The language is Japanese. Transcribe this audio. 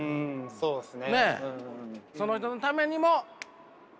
そうですね。